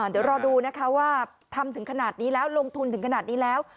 เดี๋ยวรอดูนะคะว่าทำถึงขนาดนี้แล้วลงทุนถึงขนาดนี้แล้ว